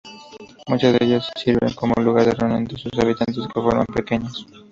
Muchas de ellas sirven como lugar de reunión de sus habitantes, que forman peñas.